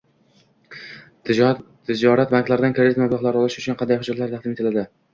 Tijorat banklaridan kredit mablag‘lari olish uchun qanday hujjatlar taqdim etiladi?